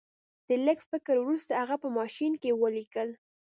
د لږ فکر وروسته هغه په ماشین کې ولیکل